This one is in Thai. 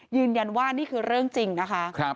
ยืนยันว่านี่คือเรื่องจริงนะคะ